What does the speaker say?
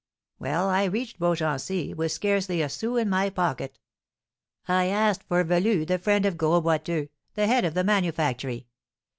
Well, I reached Beaugency, with scarcely a sou in my pocket. I asked for Velu, the friend of Gros Boiteux, the head of the manufactory.